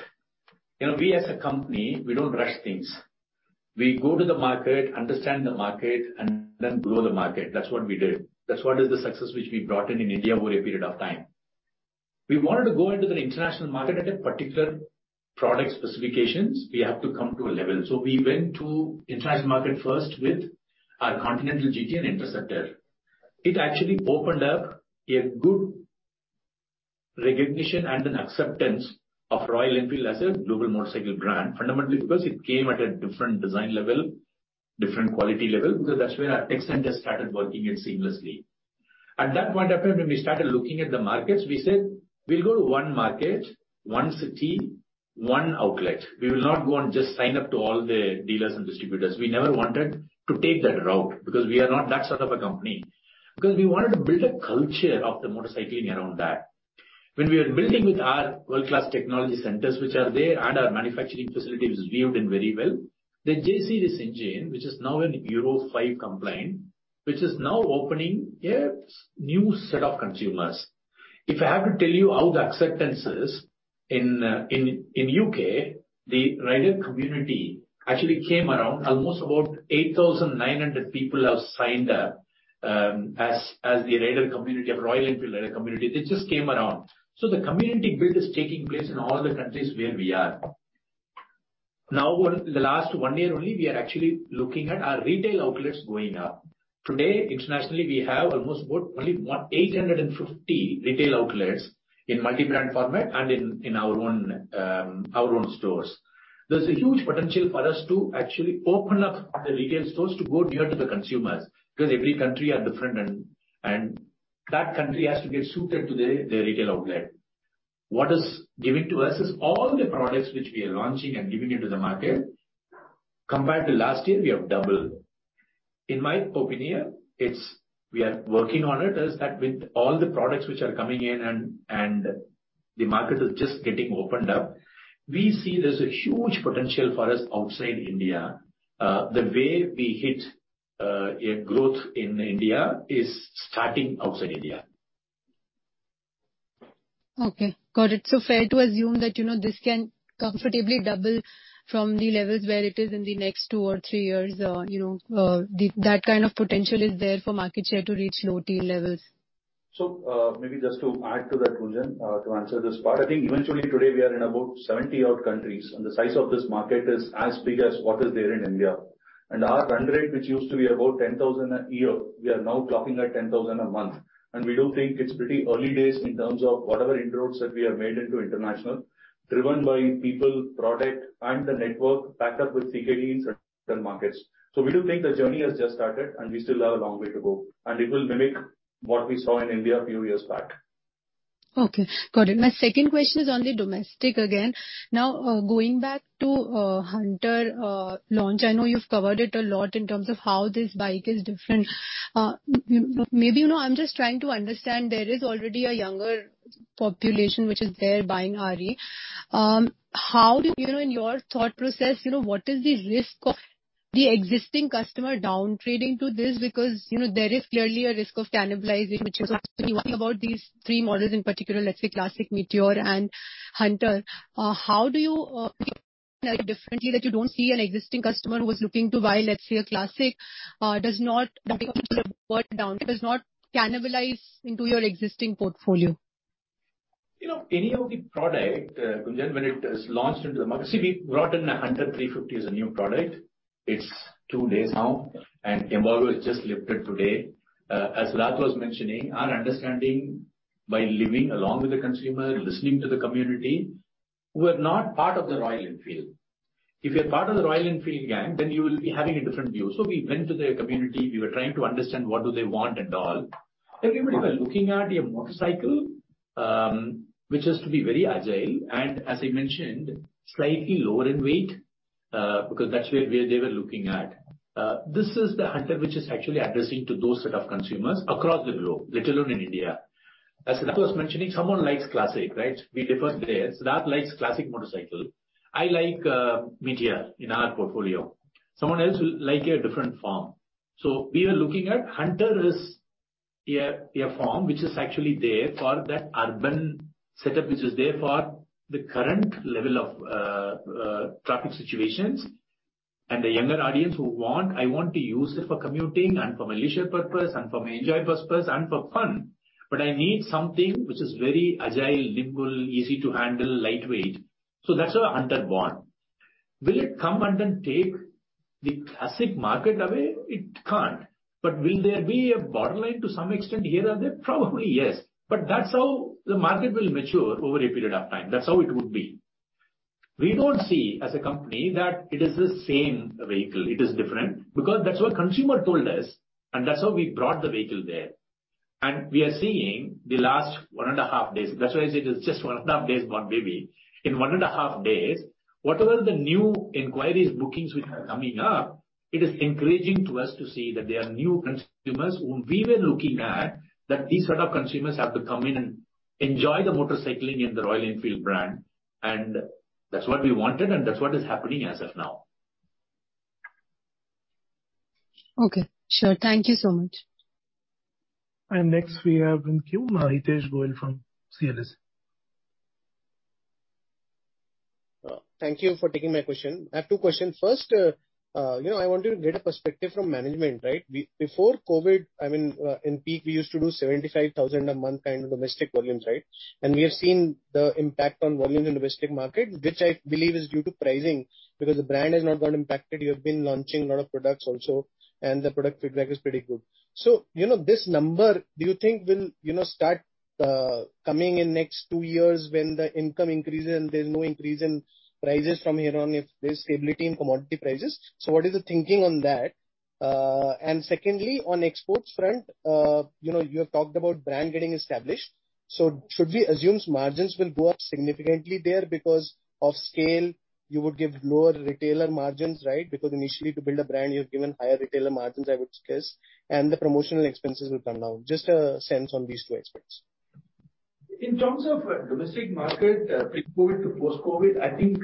You know, we as a company, we don't rush things. We go to the market, understand the market, and then grow the market. That's what we did. That's what is the success which we brought in India over a period of time. We wanted to go into the international market at a particular product specifications. We have to come to a level. We went to international market first with our Continental GT and Interceptor. It actually opened up a good recognition and an acceptance of Royal Enfield as a global motorcycle brand, fundamentally because it came at a different design level, different quality level, because that's where our extensions started working it seamlessly. At that point of time, when we started looking at the markets, we said, "We'll go to one market, one city, one outlet. We will not go and just sign up to all the dealers and distributors. We never wanted to take that route because we are not that sort of a company. Because we wanted to build a culture of the motorcycling around that. When we are building with our world-class technology centers, which are there, and our manufacturing facility, which is built in very well, the J series engine, which is now Euro 5 compliant, which is now opening a new set of consumers. If I have to tell you how the acceptance is in the U.K., the rider community actually came around. Almost 8,900 people have signed up, as the rider community of Royal Enfield rider community. They just came around. The community build is taking place in all the countries where we are. Now, in the last one year only, we are actually looking at our retail outlets going up. Today, internationally, we have almost about only 850 retail outlets in multi-brand format and in our own stores. There's a huge potential for us to actually open up the retail stores to go near to the consumers. Because every country are different and that country has to be suited to the retail outlet. What is giving to us is all the products which we are launching and giving into the market, compared to last year, we have doubled. In my opinion, it's. We are working on it. That's with all the products which are coming in and the market is just getting opened up. We see there's a huge potential for us outside India. The way we had the growth in India is starting outside India. Okay, got it. Fair to assume that, you know, this can comfortably double from the levels where it is in the next two or three years, you know, that kind of potential is there for market share to reach low-teens levels. Maybe just to add to that, Gunjan, to answer this part. I think eventually today we are in about 70-odd countries, and the size of this market is as big as what is there in India. Our run rate, which used to be about 10,000 a year, we are now clocking at 10,000 a month. We do think it's pretty early days in terms of whatever inroads that we have made into international, driven by people, product and the network backed up with CKD in certain markets. We do think the journey has just started and we still have a long way to go, and it will mimic what we saw in India a few years back. Okay, got it. My second question is on the domestic again. Now, going back to Hunter launch. I know you've covered it a lot in terms of how this bike is different. Maybe, you know, I'm just trying to understand. There is already a younger population which is there buying RE. How do you know, in your thought process, you know, what is the risk of the existing customer down-trading to this? Because, you know, there is clearly a risk of cannibalizing, which is about these three models in particular, let's say, Classic, Meteor and Hunter. How do you differentiate that you don't see an existing customer who was looking to buy, let's say, a Classic, does not cannibalize into your existing portfolio? You know, any of the product, Gunjan, when it is launched into the market. See, we brought in Hunter 350 as a new product. It's two days now, and embargo is just lifted today. As Siddhartha was mentioning, our understanding by living along with the consumer, listening to the community, who are not part of the Royal Enfield. If you're part of the Royal Enfield gang, then you will be having a different view. We went to the community. We were trying to understand what do they want and all. Everybody was looking at a motorcycle, which has to be very agile and as I mentioned, slightly lower in weight, because that's where they were looking at. This is the Hunter, which is actually addressing to those set of consumers across the globe, let alone in India. As Siddhartha was mentioning, someone likes Classic, right? We differ there. Siddhartha likes Classic motorcycle. I like Meteor in our portfolio. Someone else will like a different form. We are looking at Hunter is a form which is actually there for that urban setup, which is there for the current level of traffic situations and the younger audience who want, "I want to use it for commuting and for my leisure purpose and for my enjoy purpose and for fun, but I need something which is very agile, nimble, easy to handle, lightweight." That's where the Hunter born. Will it come and then take the Classic market away? It can't. Will there be a borderline to some extent here or there? Probably, yes. That's how the market will mature over a period of time. That's how it would be. We don't see as a company that it is the same vehicle. It is different. Because that's what consumer told us, and that's how we brought the vehicle there. We are seeing the last one and a half days. That's why I said it's just one and a half days born baby. In one and a half days, whatever the new inquiries, bookings which are coming up, it is encouraging to us to see that there are new consumers whom we were looking at, that these set of consumers have to come in and enjoy the motorcycling in the Royal Enfield brand, and that's what we wanted and that's what is happening as of now. Okay. Sure. Thank you so much. Next, we have in queue Hitesh Goel from CLSA. Thank you for taking my question. I have two questions. First, you know, I wanted to get a perspective from management, right? Before COVID, I mean, in peak, we used to do 75,000 a month kind of domestic volumes, right? We have seen the impact on volume in domestic market, which I believe is due to pricing. Because the brand has not got impacted. You have been launching a lot of products also, and the product feedback is pretty good. You know, this number, do you think will, you know, start coming in next two years when the income increases and there's no increase in prices from here on if there's stability in commodity prices? What is the thinking on that? Secondly, on exports front, you know, you have talked about brand getting established. Should we assume margins will go up significantly there because of scale, you would give lower retailer margins, right? Because initially to build a brand, you have given higher retailer margins, I would guess, and the promotional expenses will come down. Just a sense on these two aspects. In terms of domestic market, pre-COVID to post-COVID, I think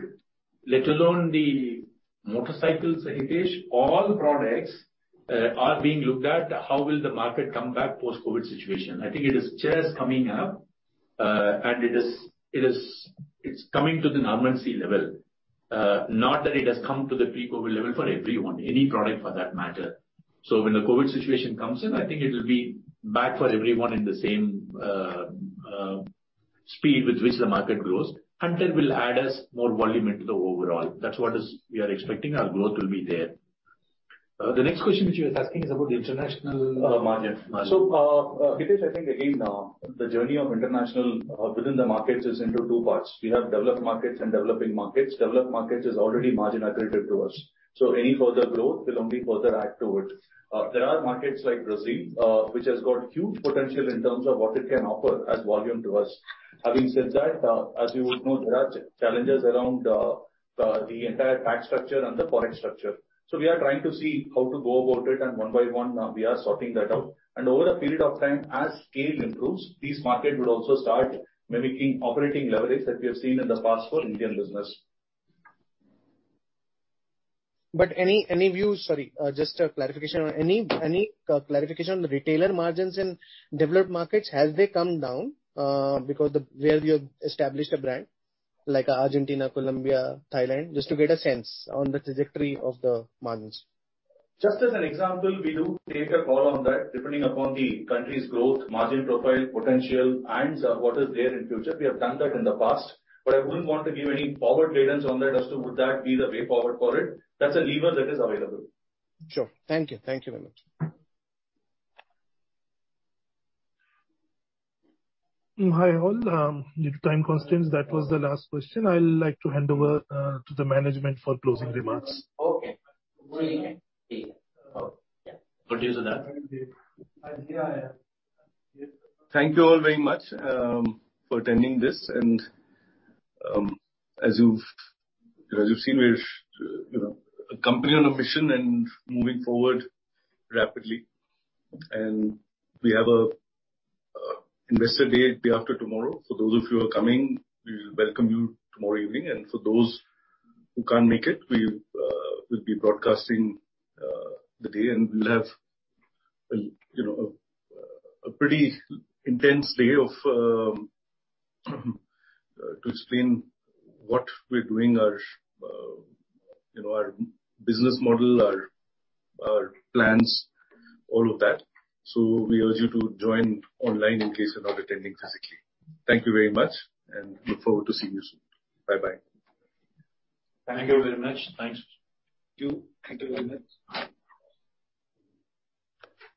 let alone the motorcycles, Hitesh, all products are being looked at how will the market come back post-COVID situation. I think it is just coming up, and it's coming to the normalcy level. Not that it has come to the pre-COVID level for everyone, any product for that matter. When the COVID situation comes in, I think it will be back for everyone in the same speed with which the market grows. Hunter will add us more volume into the overall. That's what is we are expecting our growth will be there. The next question which you were asking is about the international margin. Hitesh, I think again, the journey of international, within the markets is into two parts. We have developed markets and developing markets. Developed markets is already margin accretive to us, so any further growth will only further add to it. There are markets like Brazil, which has got huge potential in terms of what it can offer as volume to us. Having said that, as you would know, there are challenges around, the entire tax structure and the foreign structure. We are trying to see how to go about it and one by one, we are sorting that out. Over a period of time, as scale improves, these markets would also start mimicking operating leverage that we have seen in the past for Indian business. Sorry, just a clarification. Any clarification on the retailer margins in developed markets? Have they come down because where we have established a brand like Argentina, Colombia, Thailand, just to get a sense on the trajectory of the margins. Just as an example, we do take a call on that depending upon the country's growth, margin profile, potential and what is there in future. We have done that in the past, but I wouldn't want to give any forward guidance on that as to would that be the way forward for it. That's a lever that is available. Sure. Thank you. Thank you very much. Hi, all. Due to time constraints, that was the last question. I'd like to hand over to the management for closing remarks. Okay. Thank you all very much for attending this. As you've seen, we're, you know, a company on a mission and moving forward rapidly. We have a investor day after tomorrow. For those of you who are coming, we welcome you tomorrow evening. For those who can't make it, we will be broadcasting the day and we'll have a, you know, pretty intense day of to explain what we're doing, our, you know, business model, our plans, all of that. We urge you to join online in case you're not attending physically. Thank you very much, and look forward to seeing you soon. Bye-bye. Thank you very much. Thanks. Thank you. Thank you very much.